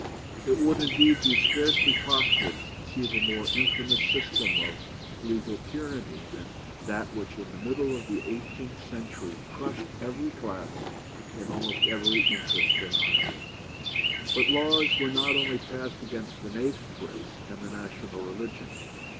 "It would, indeed, be scarcely possible to conceive a more infamous system of legal tyranny than that which in the middle of the eighteenth century crushed every class and almost every interest in Ireland." But laws were not only passed against the native race and the national religion.